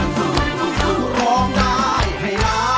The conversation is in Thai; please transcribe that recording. ได้ได้